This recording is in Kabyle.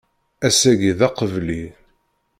Ass-agi, d aqebli.